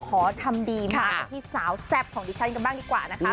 ขอทำดีมากันที่สาวแซ่บของดิฉันกันบ้างดีกว่านะคะ